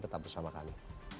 tetap bersama kami